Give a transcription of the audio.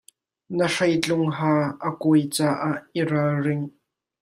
Na hreitlung haa a kawi caah i ralring.